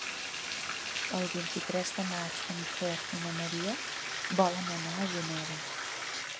El vint-i-tres de maig en Quer i na Maria volen anar a Juneda.